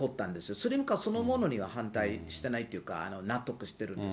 スリム化そのものには反対してないというか、納得してるんです。